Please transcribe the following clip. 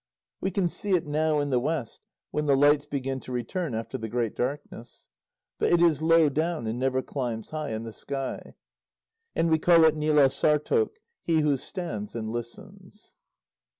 We can see it now, in the west, when the lights begin to return after the great darkness. But it is low down, and never climbs high in the sky. And we call it Nâlaussartoq: he who stands and listens.